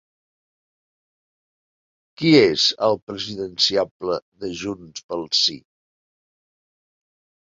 Qui és el presidenciable de Junts pel sí?